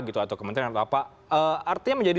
gitu atau kementerian atau apa artinya menjadi